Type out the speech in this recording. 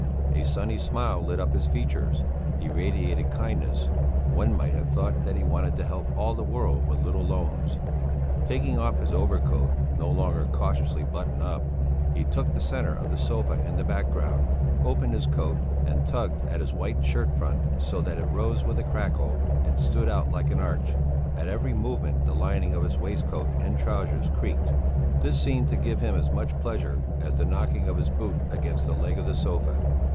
A sunny smile lit up his features; he radiated kindness; one might have thought that he wanted to help all the world with little loans. Taking off his overcoat, no longer cautiously buttoned up, he took the centre of the sofa in the background, opened his coat and tugged at his white shirt front so that it rose with a crackle and stood out like an arch; at every movement the lining of his waistcoat and trousers creaked. This seemed to give him as much pleasure as the knocking of his boot against the leg of the sofa.